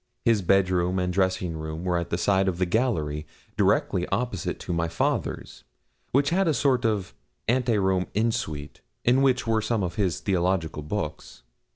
His bed room and dressing room were at the side of the gallery, directly opposite to my father's, which had a sort of ante room en suite, in which were some of his theological books.